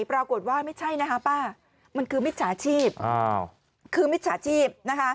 ปรากฏว่าไม่ใช่นะคะป้ามันคือมิจฉาชีพคือมิจฉาชีพนะคะ